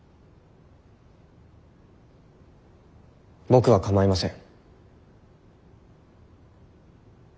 僕は構いません。